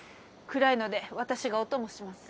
暗いので私がお供します。